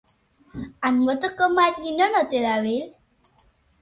Anbotoko Mari non ote dabil?